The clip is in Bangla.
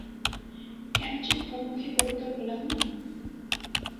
কেন যে ঘরমুখী কবুতর হলাম না?